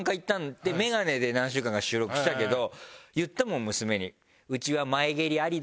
でメガネで何週間か収録したけど言ったもん娘に。